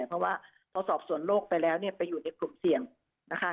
เพราะว่าพอสอบสวนโลกไปแล้วไปอยู่ในกลุ่มเสี่ยงนะคะ